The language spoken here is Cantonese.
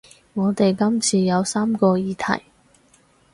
我哋今次有三個議題